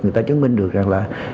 người ta chứng minh được rằng là